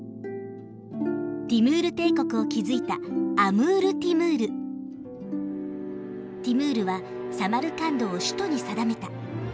ティムール帝国を築いたティムールはサマルカンドを首都に定めた。